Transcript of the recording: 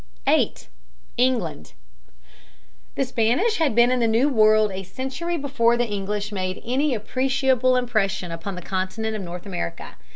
8. ENGLAND. The Spanish had been in the New World a century before the English made any appreciable impression upon the continent of North America.